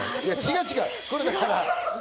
違う違う！